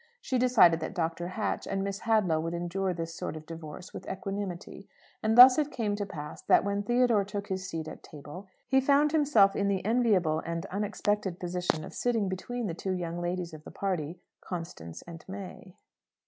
She decided that Dr. Hatch and Miss Hadlow would endure this sort of divorce with equanimity; and thus it came to pass that when Theodore took his seat at table he found himself in the enviable and unexpected position of sitting between the two young ladies of the party Constance and May.